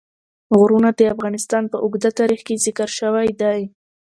غرونه د افغانستان په اوږده تاریخ کې ذکر شوی دی.